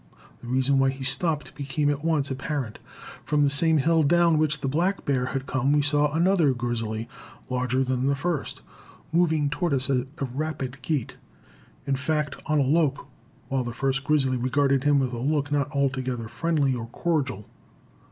The reason why he stopped became at once apparent. From the same hill down which the black bear had come we saw another grizzly, larger than the first, moving toward us at a rapid gait, in fact, on a lope, while the first grizzly regarded him with a look not altogether friendly or cordial.